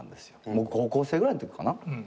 僕高校生ぐらいのときかな。